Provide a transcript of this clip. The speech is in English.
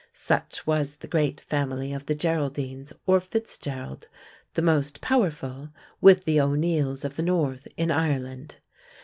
Such was the great family of the Geraldines or Fitzgerald the most powerful, with the O'Neills of the North, in Ireland.